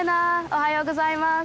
おはようございます。